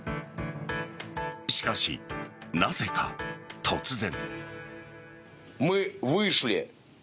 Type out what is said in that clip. しかし、なぜか突然。